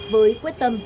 với quyết tâm